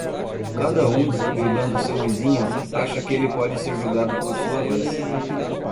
Cada um, julgando seu vizinho, acha que ele pode ser julgado por sua vez.